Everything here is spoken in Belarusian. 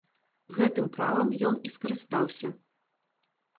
Гэтым правам ён і скарыстаўся.